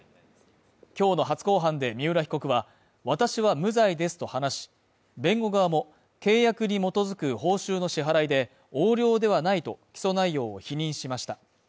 今日の初公判で三浦被告は私は無罪ですと話し弁護側も契約に基づく報酬の支払いで横領ではないと起訴内容を否認しました。